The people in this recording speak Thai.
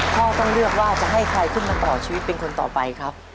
พ่อต้องเลือกว่าจะให้ใครขึ้นมาต่อชีวิตเป็นคนต่อไปครับ